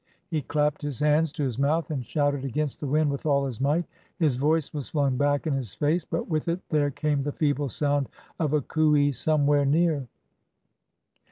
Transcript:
He clapped his hands to his mouth and shouted against the wind with all his might. His voice was flung back in his face; but with it there came the feeble sound of a "coo ey" somewhere near.